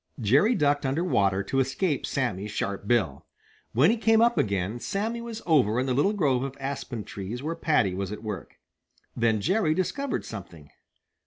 Jerry ducked under water to escape Sammy's sharp bill. When he came up again, Sammy was over in the little grove of aspen trees where Paddy was at work. Then Jerry discovered something.